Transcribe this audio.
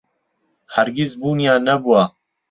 هەرگیز بوونیان نەبووە.